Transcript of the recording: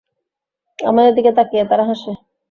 আমাদের দিকে তাকিয়ে তারা হাসে!